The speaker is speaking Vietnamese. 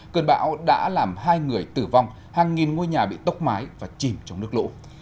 cơn bão đã làm hai người tử vong hàng nghìn ngôi nhà bị tốc mái và chìm trong nước lũ